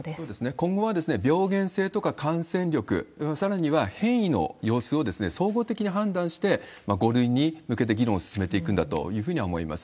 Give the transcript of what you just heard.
今後は病原性とか感染力、さらには変異の様子を総合的に判断して、５類に向けて議論を進めていくんだとは思います。